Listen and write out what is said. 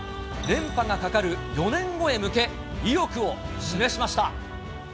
連覇がかかる４年後へ向け、意欲を示しました。